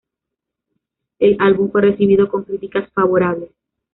El álbum fue recibido con críticas favorables.